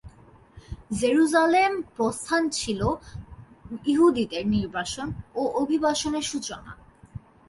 Jerusalem প্রস্থান ছিলো ইহুদিদের নির্বাসন ও অভিবাসনের সূচনা।